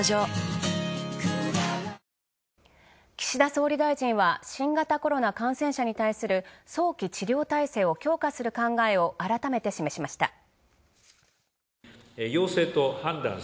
岸田総理大臣は新型コロナ感染者に対する早期治療体制を強化する考えを改めて示しました。